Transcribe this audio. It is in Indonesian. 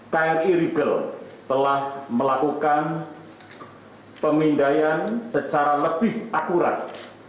kri rigel telah melakukan pemindaian secara lebih akurat